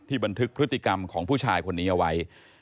บันทึกพฤติกรรมของผู้ชายคนนี้เอาไว้